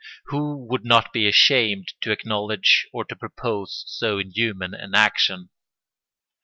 Who would not be ashamed to acknowledge or to propose so inhuman an action?